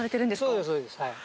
そうですそうですはい。